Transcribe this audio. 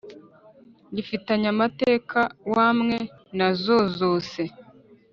Gifitanye amateka wamwe na zozose